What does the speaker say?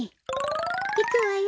いくわよ。